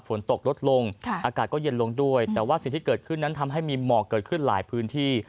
ฝนตกลดลงอากาศก็เย็นลงด้วยแต่ว่าสิ่งที่เกิดขึ้นนั้นทำให้มีหมอกเกิดขึ้นหลายพื้นที่